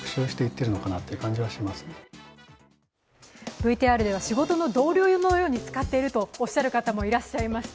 ＶＴＲでは仕事の同僚のように使っているとおっしゃる方もいらっしゃいました。